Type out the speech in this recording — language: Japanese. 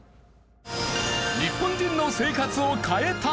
日本人の生活を変えた！